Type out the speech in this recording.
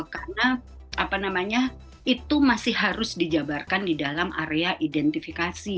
karena itu masih harus dijabarkan di dalam area identifikasi